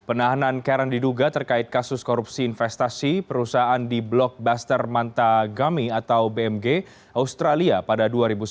penahanan karen diduga terkait kasus korupsi investasi perusahaan di blockbuster mantagami atau bmg australia pada dua ribu sepuluh